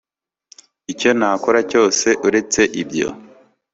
icyo nakora cyose uretse ibyo